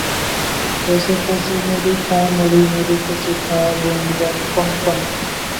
এবং ব্লো-ব্জাং-ছোস-ক্যি-র্গ্যাল-ম্ত্শান তার নতুন নাম রাখেন ঙ্গাগ-দ্বাং-ব্লো-ব্জাং-র্গ্যা-ম্ত্শো।